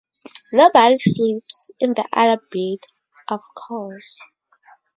Nobody sleeps in the other bed, of course.